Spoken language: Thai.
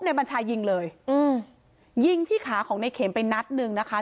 บัญชายิงเลยอืมยิงที่ขาของในเข็มไปนัดหนึ่งนะคะ